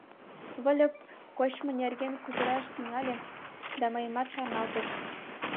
Выльып кочмо нерген кутыраш тӱҥале да мыйымат шарналтыш.